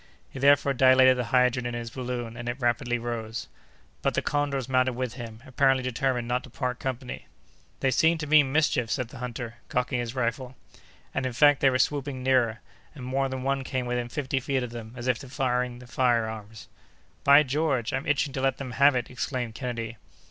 He therefore dilated the hydrogen in his balloon, and it rapidly rose. But the condors mounted with him, apparently determined not to part company. "They seem to mean mischief!" said the hunter, cocking his rifle. And, in fact, they were swooping nearer, and more than one came within fifty feet of them, as if defying the fire arms. "By George, I'm itching to let them have it!" exclaimed Kennedy.